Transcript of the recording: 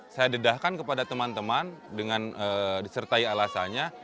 saya dedahkan kepada teman teman dengan disertai alasannya